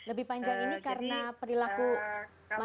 lebih panjang ini karena perilaku masyarakat